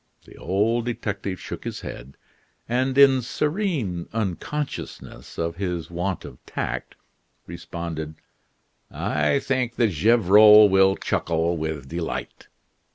The old detective shook his head, and in serene unconsciousness of his want of tact, responded: "I think that Gevrol will chuckle with delight."